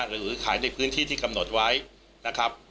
หรือขายในพื้นที่ที่กำหนดไว้นะครับ